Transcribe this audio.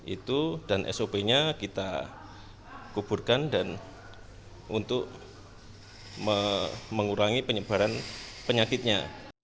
itu dan sop nya kita kuburkan dan untuk mengurangi penyebaran penyakitnya